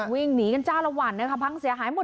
วิ่งหนีกันจ้าละวันนะคะพังเสียหายหมด